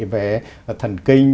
về thần kinh